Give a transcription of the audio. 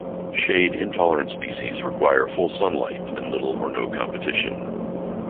Shade-intolerant species require full sunlight and little or no competition.